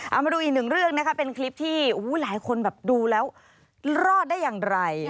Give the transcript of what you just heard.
เอามาดูอีกหนึ่งเรื่องนะคะเป็นคลิปที่หลายคนแบบดูแล้วรอดได้อย่างไร